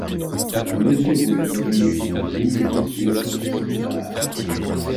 Dans la mesure où les oreillers sont mous, les blessures restent rares.